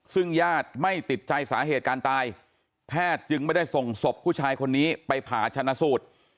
ซึ่งญาติไม่ติดใจสาเหตุการตายแพทย์จึงไม่ได้ส่งศพผู้ชายคนนี้ไปผ่าชนะสูตร